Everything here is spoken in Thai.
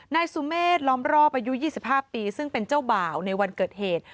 นายสุเมฆล้อมรอบอายุ๒๕ปีซึ่งเป็นเจ้าบ่าวในวันเกิดเหตุ